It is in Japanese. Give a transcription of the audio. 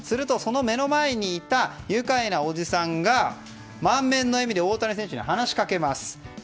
すると、その目の前にいた愉快なおじさんが満面の笑みで大谷選手に話しかけます。